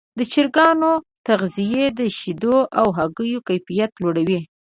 د چرګانو تغذیه د شیدو او هګیو کیفیت لوړوي.